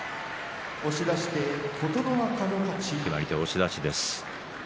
決まり手、押し出しです。